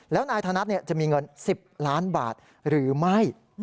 แล้วนายธนัดจะมีเงิน๑๐ล้านบาทหรือไม่